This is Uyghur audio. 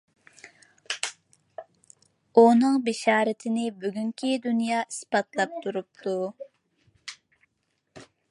ئۇنىڭ بېشارىتىنى بۈگۈنكى دۇنيا ئىسپاتلاپ تۇرۇپتۇ.